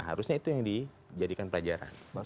harusnya itu yang dijadikan pelajaran